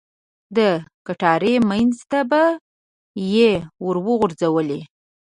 د کټارې منځ ته به یې ور وغوځولې.